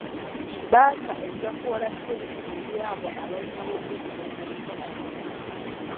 Bbanka ejja kuwola ssente eri abo abalina bu bizinesi obutono.